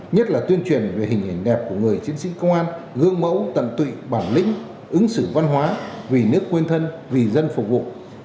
nhất là tuyên truyền về hình hình đẹp của người chiến sĩ công an gương mẫu tận tụy bản lĩnh ứng xử văn hóa vì nước quên thân vì dân phục vụ